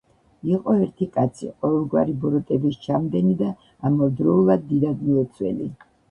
იყო ერთი კაცი, ყოველგვარი ბოროტების ჩამდენი და ამავდროულად დიდად მლოცველი.